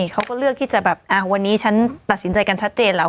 เขาก็เลือกที่จะแบบวันนี้ฉันตัดสินใจกันชัดเจนแล้ว